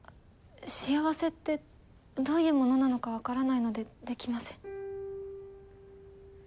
「幸せ」ってどういうものなのか分からないのでできません。